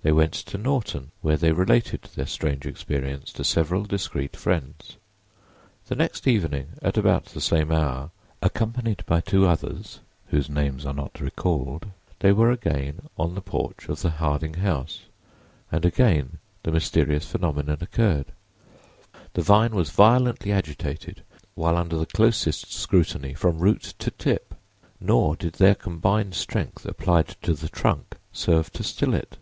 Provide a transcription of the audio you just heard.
They went to Norton, where they related their strange experience to several discreet friends. The next evening, at about the same hour, accompanied by two others whose names are not recalled, they were again on the porch of the Harding house, and again the mysterious phenomenon occurred: the vine was violently agitated while under the closest scrutiny from root to tip, nor did their combined strength applied to the trunk serve to still it.